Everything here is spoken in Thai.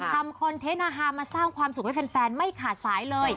คอนเทนต์อาหารมาสร้างความสุขให้แฟนไม่ขาดสายเลย